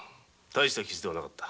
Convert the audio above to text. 大した傷じゃなかった。